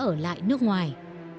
ở lại nước ngoài